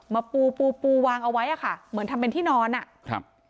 ปูปูปูวางเอาไว้อ่ะค่ะเหมือนทำเป็นที่นอนอ่ะครับ